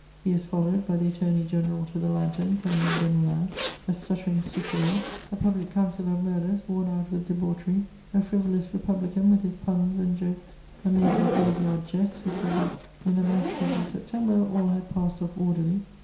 He was followed by the "Attorney General to the Lantern," Camille Desmoulins, a stuttering Cicero, a public counsellor of murders worn out with debauchery, a frivolous Republican with his puns and jokes, a maker of graveyard jests, who said that, in the massacres of September, "all had passed off orderly."